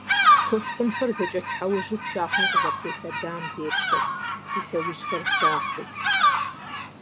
Толъкъунхэр зэкӀэлъхьэужьу пшахъуэм къызэрытелъадэм деплъырт, ди лъэужьхэр здахьу.